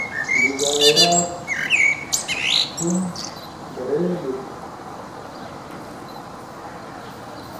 ہدایات، ݜُون، دھیریلو